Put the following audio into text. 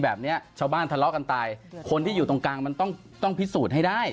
หรือที่ทำผิดผู้ใหญ่บ้านเป็นเหตุไผล